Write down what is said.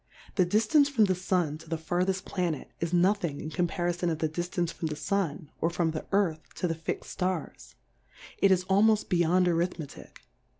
The Diftance from the Sun to the fartheft Vianet^ is nothing in Comparifon of the Diftance from the Smi^ or from the Earthy to the fix'^d Stars^ it is almoft beyond Arithmetick.